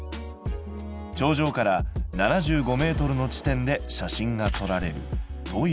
頂上から７５ｍの地点で写真が撮られるということ。